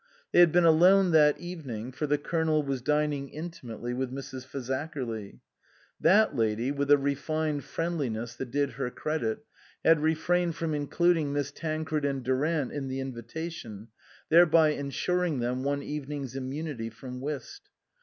They had been alone that evening, for the Colonel was dining intimately with Mrs. Fazakerly. That lady, with a refined friendli ness that did her credit, had refrained from including Miss Tancred and Durant in the invitation, thereby ensuring them one evening's immunity from whist.